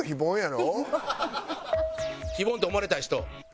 非凡と思われたい人。